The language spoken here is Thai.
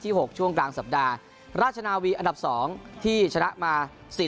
หกช่วงกลางสัปดาห์ราชนาวีอันดับสองที่ชนะมาสี่